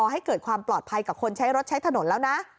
ให้เกิดความปลอดภัยกับคนใช้รถใช้ถนนแล้วนะ